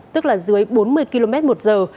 tức là dưới bốn mươi km một giờ